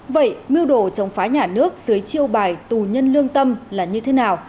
vậy mưu đồ chống phá nhà nước dưới chiêu bài tù nhân lương tâm là như thế nào